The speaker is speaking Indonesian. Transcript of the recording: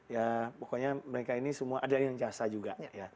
ya pokoknya mereka ini semua ada yang jasa juga